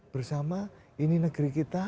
bersama ini negeri kita